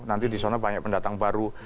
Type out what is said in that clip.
nanti disana banyak pendatang baru